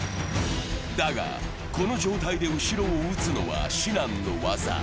だが、この状態で後ろを撃つのは至難の業。